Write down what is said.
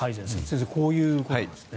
先生、こういうことなんですね。